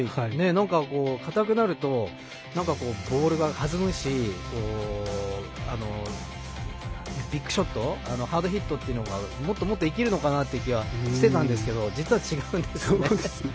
なんか硬くなるとボールが弾むしビッグショットハードヒットっていうのがもっと生きるのかなという気がしていたんですけど実は違うんですね。